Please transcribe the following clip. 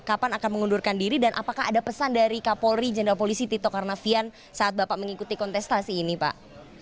kapan akan mengundurkan diri dan apakah ada pesan dari kapolri jenderal polisi tito karnavian saat bapak mengikuti kontestasi ini pak